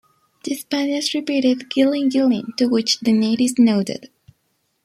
The Spaniards repeated, "Guiling-Guiling", to which the natives nodded.